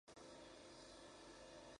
Hijo de Nolan Swan y Leyre Fernández.